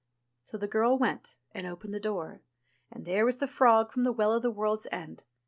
So the girl went and opened the door, and there was the frog from the Well of the World's End.